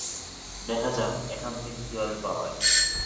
দেখা যাক এখান থেকে কিভাবে পালায়।